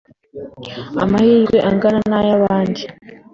amahirwe angana n ay abandi